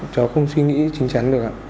cháu không suy nghĩ chính chắn được ạ